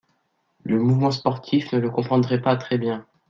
Le mouvement sportif ne le comprendrait pas très bien.